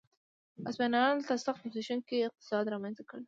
هسپانویانو دلته سخت زبېښونکی اقتصاد رامنځته کړ.